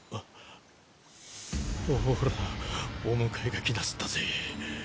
ほらお迎えが来なすったぜ。